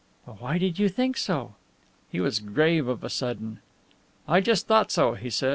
"But why did you think so?" He was grave of a sudden. "I just thought so," he said.